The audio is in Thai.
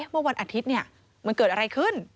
วันอาทิตย์มันเกิดอะไรขึ้น